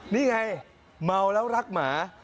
นี่ไงเมาแล้วรักหมา